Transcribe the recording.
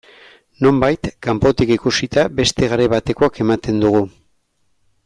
Nonbait, kanpotik ikusita, beste garai batekoak ematen dugu.